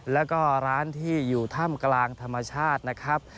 แล้วก็ร้านที่อยู่ถ้ำกลางธรรมชาตินะครับ